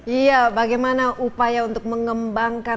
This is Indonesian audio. iya bagaimana upaya untuk mengembangkan